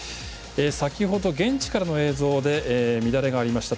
先ほど、現地からの映像で乱れがありました。